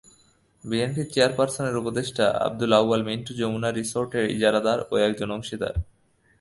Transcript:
বিএনপির চেয়ারপারসনের উপদেষ্টা আবদুল আউয়াল মিন্টু যমুনা রিসোর্টের ইজারাদার ও একজন অংশীদার।